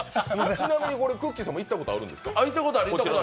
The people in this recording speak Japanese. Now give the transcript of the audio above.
ちなみに、こちらくっきー！さんも行ったことあるんですか？